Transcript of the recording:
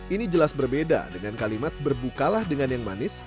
ini jelas berbeda dengan kalimat berbukalah dengan yang manis